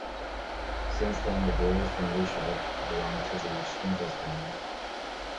Since then the brewers from Lieshout belong to the Swinkels family.